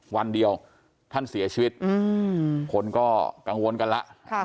วันเดียวท่านเสียชีวิตคนก็กังวลกันแล้ว